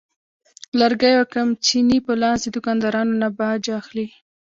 لرګي او قمچینې په لاس د دوکاندارانو نه باج اخلي.